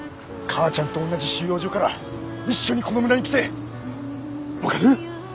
母ちゃんと同じ収容所から一緒にこの村に来て分かる？